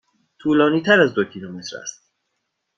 طولانی تر از دو کیلومتر است.